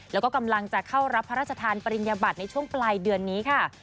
แล้วก็กำลังจะเข้ารับพระราชทานปริญญบัตรในช่วงปลายเดือนนี้ค่ะ